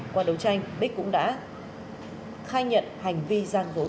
qua đấu tranh bích cũng đã khai nhận hành vi giang vối của mình